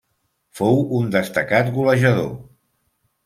Fou un destacat golejador.